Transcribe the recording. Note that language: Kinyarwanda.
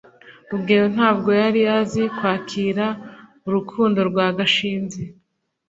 rugeyo ntabwo yari azi kwakira urukundo rwa gashinzi